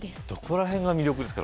ら辺が魅力ですか？